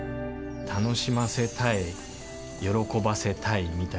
「楽しませたい喜ばせたい」みたいな。